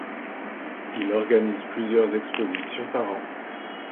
Il organise plusieurs expositions par an.